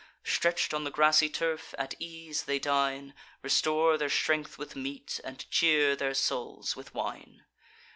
Stretch'd on the grassy turf, at ease they dine, Restore their strength with meat, and cheer their souls with wine.